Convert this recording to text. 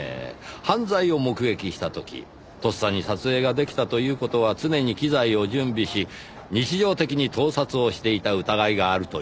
犯罪を目撃した時とっさに撮影が出来たという事は常に機材を準備し日常的に盗撮をしていた疑いがあるという事で。